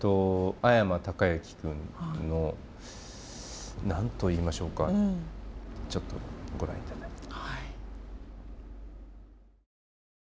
阿山隆之くんの何と言いましょうかちょっとご覧頂いて。